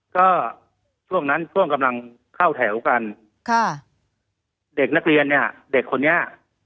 ก็ช่วงนั้นช่วงกำลังเข้าแถวกันค่ะเด็กนักเรียนเนี่ยเด็กคนนี้